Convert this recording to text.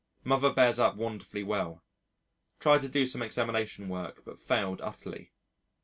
Mother bears up wonderfully well. Tried to do some examination work but failed utterly.